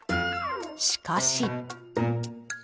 しかし。